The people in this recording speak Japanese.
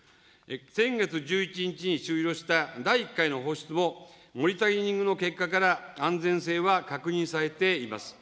先月１１日に終了した第１回の放出も、モニタリングの結果から、安全性は確認されています。